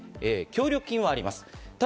協力金はあります。